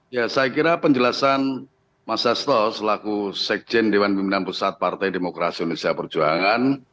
ya saya kira penjelasan mas sasto selaku sekjen dewan pimpinan pusat partai demokrasi indonesia perjuangan